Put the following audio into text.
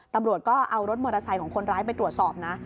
ตำรวจก็เอารถมอเตอร์ไซค์ของคนร้ายไปตรวจสอบนะ